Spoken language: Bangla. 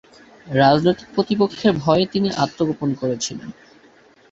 রাজনৈতিক প্রতিপক্ষের ভয়ে তিনি আত্মগোপন করেছিলেন।